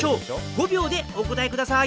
５秒でお答え下さい！